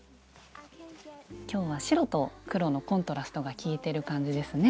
今日は白と黒のコントラストがきいてる感じですね。